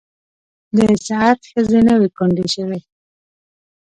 د سعد ښځې نه وې کونډې شوې.